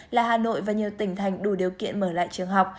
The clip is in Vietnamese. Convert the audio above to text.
là hà nội và nhiều tỉnh thành đủ điều kiện mở lại trường học